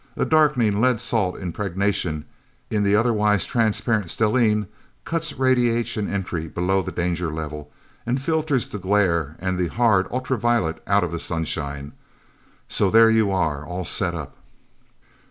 A darkening lead salt impregnation in the otherwise transparent stellene cuts radiation entry below the danger level, and filters the glare and the hard ultra violet out of the sunshine. So there you are, all set up."